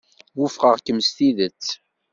Wufqeɣ-kem s tidet.